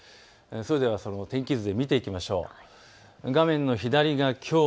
それでは天気図で見ていきましょう。